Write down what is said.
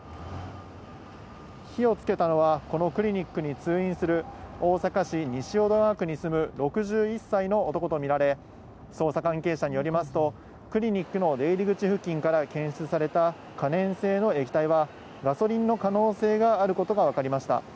火をつけたのは、このクリニックに通院する、大阪市西淀川区に住む６１歳の男と見られ、捜査関係者によりますと、クリニックの出入り口付近から検出された可燃性の液体は、ガソリンの可能性があることが分かりました。